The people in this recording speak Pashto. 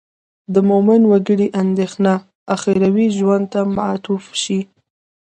د مومن وګړي اندېښنه اخروي ژوند ته معطوف شي.